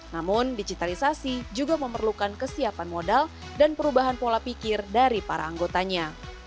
namun digitalisasi juga memerlukan kesiapan modal dan perubahan pola pikir dari para anggotanya